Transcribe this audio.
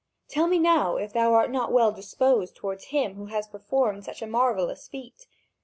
Tell me now if thou art not well disposed toward him who has performed such a marvellous feat.